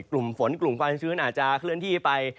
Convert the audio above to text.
กลุ่มฝนกลุ่มความชื้นอาจจะเคลื่อนที่ไป